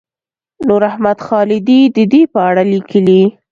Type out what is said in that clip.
نوراحمد خالدي د دې په اړه لیکلي.